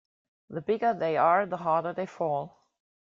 The bigger they are the harder they fall.